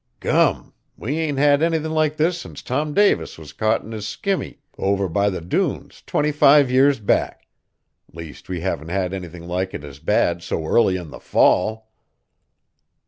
Gum! we ain't had anythin' like this since Tom Davis was caught in his skimmy over by the dunes twenty five years back; least we haven't had anythin' like it as bad so early in the Fall."